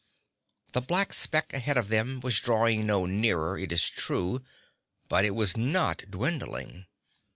The black speck ahead of them was drawing no nearer, it is true, but it was not dwindling.